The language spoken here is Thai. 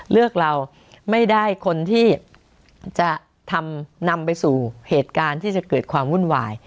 เลือกเราไม่ได้คนที่จะทำนำไปสู่เหตุการณ์ที่จะเกิดความวุ่นวาย